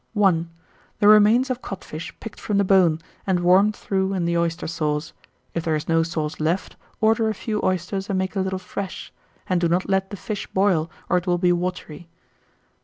_ 1. The remains of codfish picked from the bone, and warmed through in the oyster sauce; if there is no sauce left, order a few oysters and make a little fresh; and do not let the fish boil, or it will be watery.